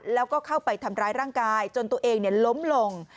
แล้วก็เข้าไปทำร้ายร่างกายจนตัวเองล้มลง